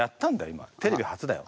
テレビ初だよ。